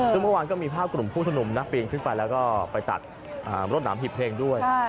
ซึ่งเมื่อวานก็มีภาพกลุ่มผู้ชมนุมนะปีนขึ้นไปแล้วก็ไปตัดรวดหนามหีบเพลงด้วย